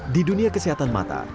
di dunia kesehatan mata